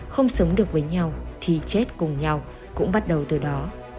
không sống được với nhau thì chết cùng nhau cũng bắt đầu từ đó